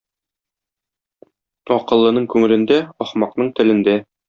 Акыллының күңелендә, ахмакның телендә.